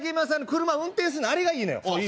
車運転すんのあれがいいのよ